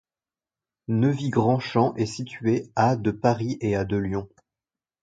Neuvy-Grandchamp est située à de Paris et à de Lyon.